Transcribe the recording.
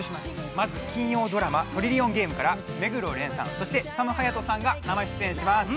まずは金曜ドラマ「トリリオンゲーム」から目黒蓮さん、そして佐野勇斗さんが生出演します。